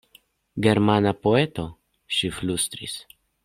Germana poeto, ŝi flustris.